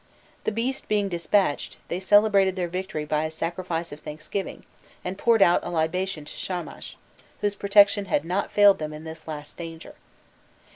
The beast being despatched, they celebrated their victory by a sacrifice of thanksgiving, and poured out a libation to Sharnash, whose protection had not failed them in this last danger.